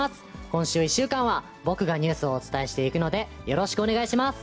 今週１週間は、僕がニュースをお伝えしていくので、よろしくお願いします。